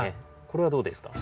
これはどうですか？